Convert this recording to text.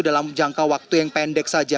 dalam jangka waktu yang pendek saja